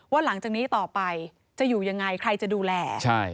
หลังจากนี้ต่อไปจะอยู่ยังไงใครจะดูแล